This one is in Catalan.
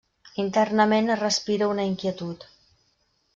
Internament es respira una inquietud.